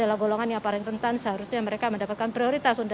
adalah golongan yang paling rentan seharusnya mereka mendapatkan prioritas